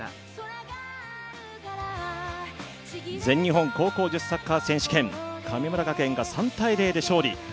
全日本高校女子サッカー選手権、神村学園が３−０で勝利。